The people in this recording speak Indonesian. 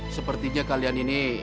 sepertinya kalian ini